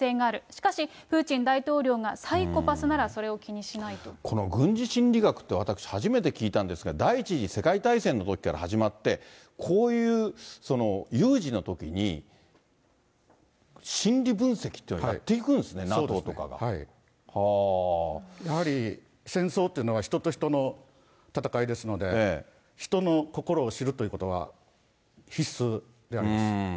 しかしプーチン大統領がサイコパこの軍事心理学って、私初めて聞いたんですが、第１次世界大戦のときから始まって、こういう有事のときに、心理分析っていうの、やっていくんですね、ＮＡＴＯとかが。やはり戦争というのは人と人の戦いですので、人の心を知るということは必須であります。